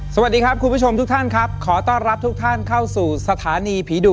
สวัสดีครับคุณผู้ชมทุกท่านครับขอต้อนรับทุกท่านเข้าสู่สถานีผีดุ